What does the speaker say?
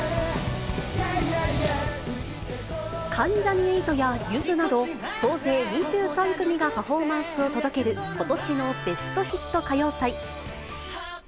関ジャニ∞やゆずなど、総勢２３組がパフォーマンスを届ける、ことしのベストヒット歌謡祭。